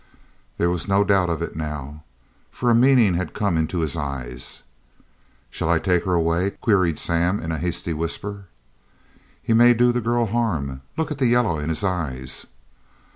There was no doubt of it now, for a meaning had come into his eyes. "Shall I take her away?" queried Sam in a hasty whisper. "He may do the girl harm. Look at the yaller in his eyes!"